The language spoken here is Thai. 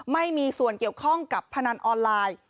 ไม่มีส่วนเกี่ยวข้องกับพนันออนไลน์